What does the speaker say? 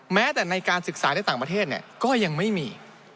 แม้แต่ในการศึกษาในต่างประเทศก็ยังไม่มี